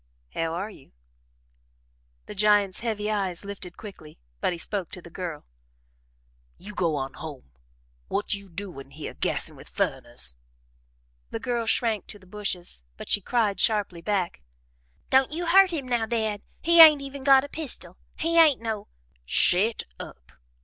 "How are you?" The giant's heavy eyes lifted quickly, but he spoke to the girl. "You go on home what you doin' hyeh gassin' with furriners!" The girl shrank to the bushes, but she cried sharply back: "Don't you hurt him now, Dad. He ain't even got a pistol. He ain't no " "Shet up!"